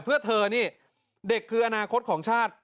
เพื่อเธอนี่เด็กคืออนาคตของชาติ